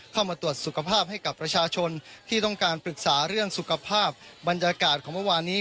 เข้ามาตรวจสุขภาพให้กับประชาชนที่ต้องการปรึกษาเรื่องสุขภาพบรรยากาศของเมื่อวานนี้